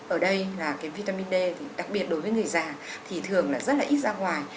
ở đây là cái vitamin d thì đặc biệt đối với người già thì thường là rất là ít ra ngoài